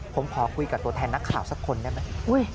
ผมขอคุยกับตัวแทนนักข่าวสักคนได้ไหม